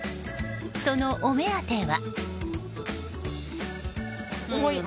そのお目当ては。